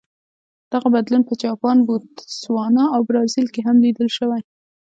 دغه بدلون په جاپان، بوتسوانا او برازیل کې هم لیدل شوی.